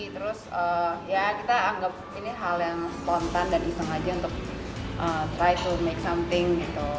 terus ya kita anggap ini hal yang spontan dan iseng aja untuk tride to make something gitu